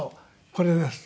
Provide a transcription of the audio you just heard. これです。